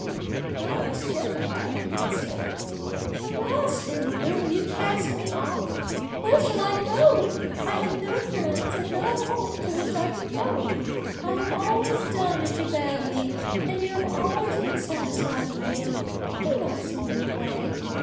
The girl was terrified, and said, "Alas! dear mother, will you cast me off? Where shall I go? I have no friends, and no home to which I can go. I have always done as you bade me, and you have always been satisfied with me; do not send me away."